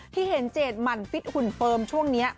ที่เห็นเจดหมั่นฟิตหุ่นเฟิร์มช่วงนี้